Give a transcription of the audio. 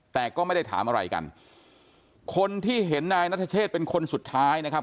แต่ก็ไม่ได้ถามอะไรกันคนที่เห็นนายนัทเชษเป็นคนสุดท้ายนะครับ